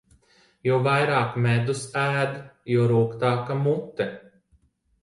Jo vairāk medus ēd, jo rūgtāka mute.